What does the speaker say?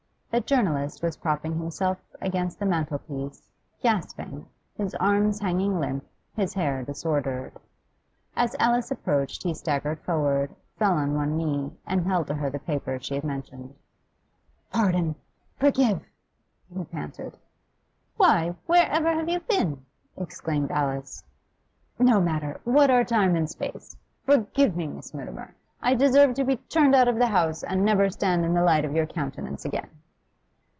The journalist was propping himself against the mantelpiece, gasping, his arms hanging limp, his hair disordered. As Alice approached he staggered forward, fell on one knee, and held to her the paper she had mentioned. 'Pardon forgive!' he panted. 'Why, where ever have you been?' exclaimed Alice. 'No matter! what are time and space? Forgive me, Miss Mutimer! I deserve to be turned out of the house, and never stand in the light of your countenance again.